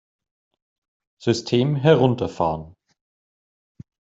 System herunterfahren!